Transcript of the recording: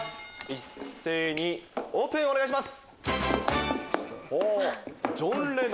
一斉にオープンお願いします。